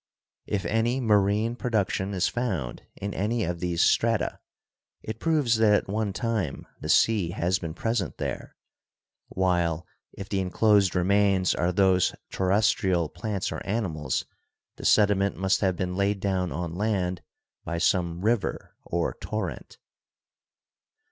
If any marine production is found in any of these strata, it proves that at one time the sea has been present there, while if the enclosed remains are those terrestrial plants or animals the sediment must have been laid down on land by some river or torrent.